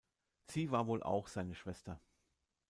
Sie war wohl auch seine Schwester.